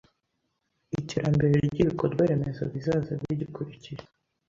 iterambere ry’ibikorwa remezo bizaza bigikurikiye